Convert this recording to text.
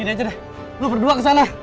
eh gini aja deh lu berdua kesana